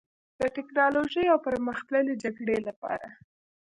د ټیکنالوژۍ او پرمختللې جګړې لپاره